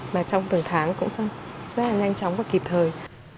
mà trong từng tháng cũng rất là nhanh chóng và kịp thời